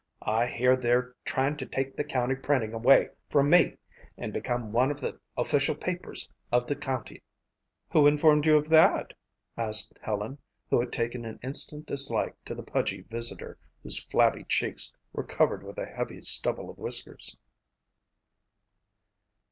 I hear they're trying to take the county printing away from me and become one of the official papers of the county." "Who informed you of that?" asked Helen, who had taken an instant dislike to the pudgy visitor whose flabby cheeks were covered with a heavy stubble of whiskers.